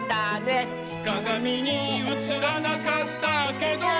「かがみにうつらなかったけど」